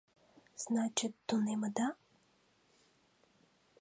— Значит, тунемыда?